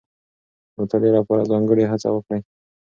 د مطالعې لپاره ځانګړې هڅه وکړئ.